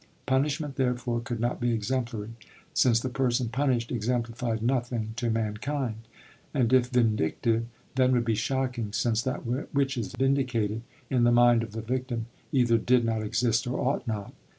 Punishment, therefore, could not be exemplary, since the person punished exemplified nothing to Mankind; and if vindictive, then would be shocking, since that which is vindicated, in the mind of the victim either did not exist, or ought not.